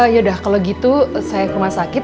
yaudah kalau gitu saya ke rumah sakit